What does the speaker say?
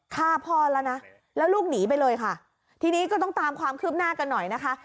ฆ่าพ่อแล้วนะแล้วลูกหนีไปเลยค่ะทีนี้ก็ต้องตามความคืบหน้ากันหน่อยนะคะ